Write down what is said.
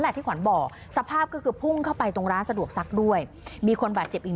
ที่ขวัญบอกสภาพก็คือพุ่งเข้าไปตรงร้านสะดวกซักด้วยมีคนบาดเจ็บอีก